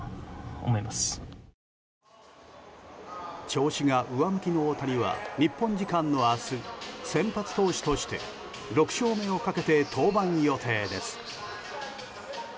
調子が上向きの大谷は日本時間の明日先発投手として６勝目をかけて登板予定です。